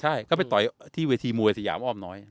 ใช่ก็ไปต่อยที่เวทีมวยสยามอ้อมน้อย